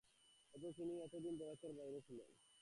অথচ তিনি এত দিন ধরাছোঁয়ার বাইরে ছিলেন।